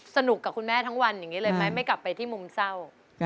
กับคุณแม่ทั้งวันอย่างนี้เลยไหมไม่กลับไปที่มุมเศร้า